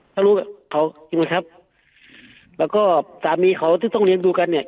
ถ้ารู้แบบเขาจริงไหมครับแล้วก็สามีเขาที่ต้องเลี้ยงดูกันเนี่ย